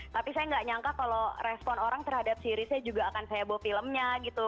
tapi saya gak nyangka kalau respon orang terhadap seriesnya juga akan heboh filmnya gitu